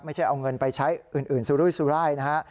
ไม่ใช่เอาเงินไปใช้อื่นสุรุยสุรายนะฮะ